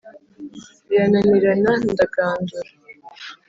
birananirana ndagandura